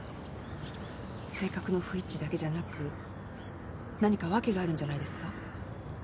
性格の不一致だけじゃなく何か訳があるんじゃないですか？